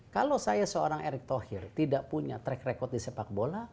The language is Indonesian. kalau saya seorang erick thohir tidak punya track record di sepak bola